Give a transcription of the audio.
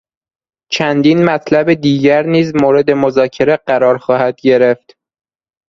چندین مطلب دیگر نیز مورد مذاکره قرار خواهد گرفت.